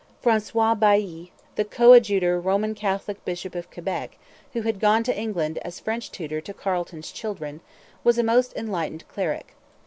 Francois Bailly, the coadjutor Roman Catholic bishop of Quebec, who had gone to England as French tutor to Carleton's children, was a most enlightened cleric.